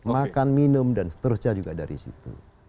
makan minum dan seterusnya juga dari situ